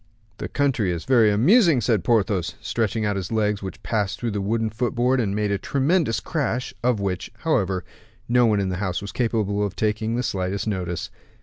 "The country is very amusing," said Porthos, stretching out his legs, which passed through the wooden footboard, and made a tremendous crash, of which, however, no one in the house was capable of taking the slightest notice.